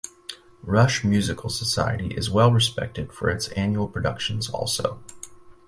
Rush Musical Society is well respected for its annual productions also.